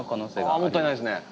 もったいないですね。